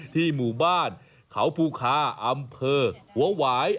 ที่หมู่บ้านเขาภูคาอำเภอหัวหวาย